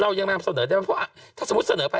ยังนำเสนอได้ไหมเพราะว่าถ้าสมมุติเสนอไป